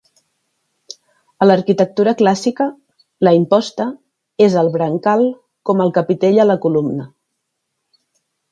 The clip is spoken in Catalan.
A l'arquitectura clàssica, la imposta és al brancal com el capitell a la columna.